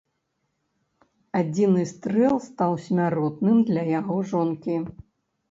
Адзіны стрэл стаў смяротным для яго жонкі.